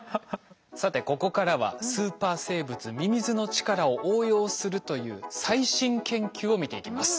さてここからはスーパー生物ミミズの力を応用するという最新研究を見ていきます。